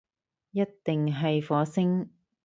一定係火星